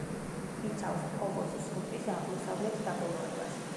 იცავს ფოვოს სრუტის აღმოსავლეთ დაბოლოებას.